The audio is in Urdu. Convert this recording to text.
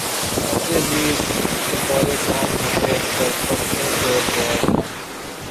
ویسے بھی بطور قوم ہمیں درختوں سے بیر ہے۔